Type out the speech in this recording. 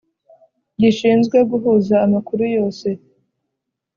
Gishinzwe guhuza amakuru yose.